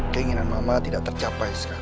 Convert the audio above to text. keinginan mama tidak tercapai sekali